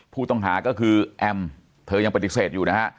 ผู้ต้องหาก็คือแอมเธอยังปฏิเสธอยู่นะฮะ